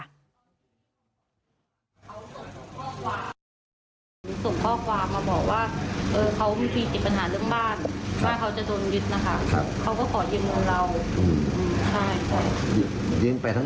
ส่วนตัวเราก็ให้ไปแสดง